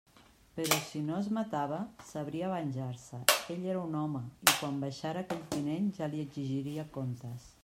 Però si no es matava, sabria venjar-se; ell era un home i quan baixara aquell tinent, ja li exigiria comptes.